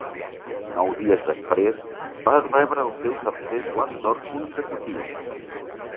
Nou dies després, va rebre el seu tercer Guant d'Or consecutiu.